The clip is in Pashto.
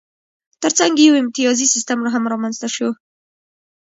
ترڅنګ یې یو امتیازي سیستم هم رامنځته شو.